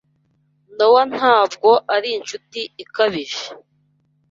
Nowa ntabwo ari inshuti ikabije.